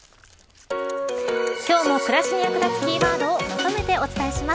今日も暮らしに役立つキーワードをまとめてお伝えします。